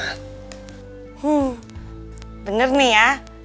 hmm bener nih ya